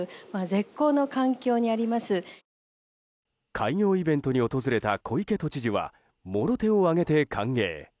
開業イベントに訪れた小池都知事はもろ手を挙げて歓迎。